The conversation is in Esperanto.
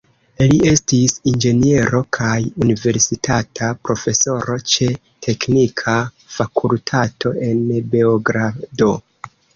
Li estis inĝeniero, kaj universitata profesoro ĉe teknika fakultato en Beogrado.